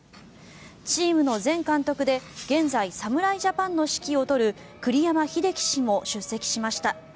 チームの前監督で現在、侍ジャパンの指揮を執る栗山英樹氏も出席しました。